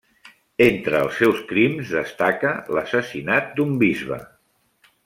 Entre els seus crims destaca l'assassinat d'un bisbe.